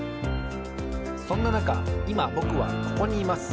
そんななかいまぼくはここにいます。